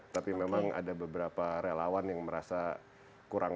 tapi memang ada beberapa relawan yang merasa kurang